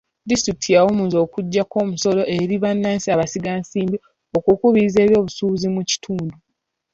Disitulikiti yawummuza okugyako omusolo eri bannansi abasiga nsimbi okukubiriza eby'obusuubuzi mu kitundu.